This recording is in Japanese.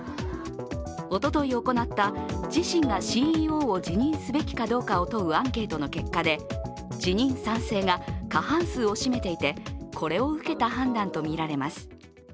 おととい行った自身がＣＥＯを辞任すべきかどうかを問うアンケートの結果で辞任賛成が過半数を占めていてこれを受けた判断とみられます。